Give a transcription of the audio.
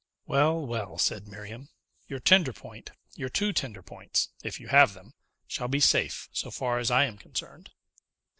"Well, well," said Miriam, "your tender point your two tender points, if you have them shall be safe, so far as I am concerned.